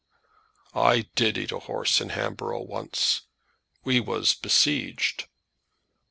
"I did eat a horse in Hamboro' once. We was besieged."